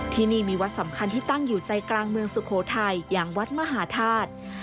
ที่นี่มีวัดสำคัญที่ตั้งอยู่ใจกลางเมืองสุโขทัยอย่างวัดมหาธาตุ